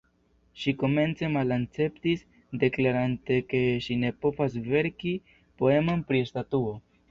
Ŝi komence malakceptis, deklarante ke ŝi ne povas verki poemon pri statuo.